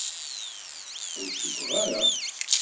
Ur cukkeɣ ara.